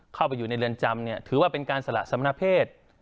เข้าไปอยู่ในเรือนจำเนี่ยถือว่าเป็นการสละสำนักเพศ